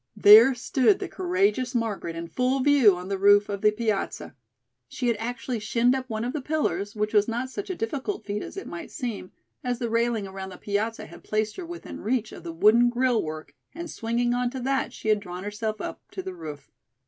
There stood the courageous Margaret in full view on the roof of the piazza. She had actually shinned up one of the pillars, which was not such a difficult feat as it might seem, as the railing around the piazza had placed her within reach of the wooden grillwork and swinging onto that she had drawn herself up to the roof.